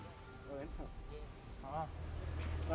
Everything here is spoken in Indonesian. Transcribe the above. saya menemukan anak anak yang sudah berubah